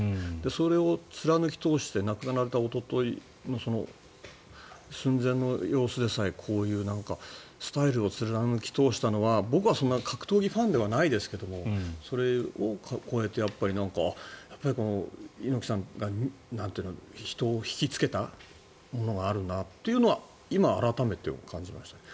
それを貫き通して亡くなったおとといの寸前の様子でさえこういうスタイルを貫き通したのは僕は格闘技ファンではないですけどそれを超えてやっぱり猪木さんが人を引きつけたものがあるなというのは今、改めて感じましたね。